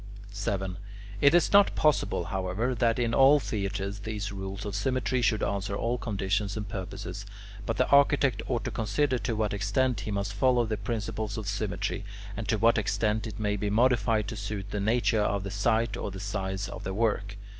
[Illustration: From Durm THE THEATRE AT ASPENDUS] 7. It is not possible, however, that in all theatres these rules of symmetry should answer all conditions and purposes, but the architect ought to consider to what extent he must follow the principle of symmetry, and to what extent it may be modified to suit the nature of the site or the size of the work.